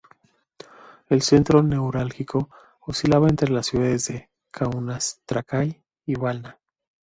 El centro neurálgico oscilaba entre las ciudades de Kaunas, Trakai y Vilna.